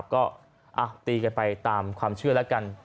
ก็ตีกันไปตามความเชื่อแล้วกัน